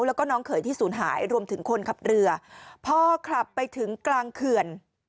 แล้วก็น้องเขยที่ศูนย์หายรวมถึงคนขับเรือพอขับไปถึงกลางเขื่อน